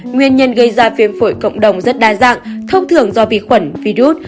nguyên nhân gây ra viêm phổi cộng đồng rất đa dạng thông thường do vi khuẩn virus